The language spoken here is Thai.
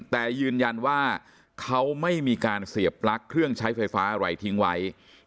แต่ยืนยันว่าเขาไม่มีการเสียบปลั๊กเครื่องใช้ไฟฟ้าอะไรทิ้งไว้